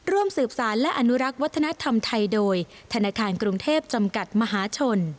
ร่วมสืบสารและอนุรักษ์วัฒนธรรมไทยโดยธนาคารกรุงเทพจำกัดมหาชน